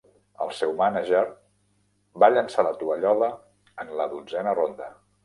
El seu mànager va llançar la tovallola en la dotzena ronda.